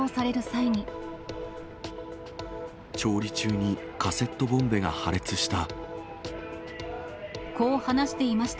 調理中にカセットボンベが破裂した。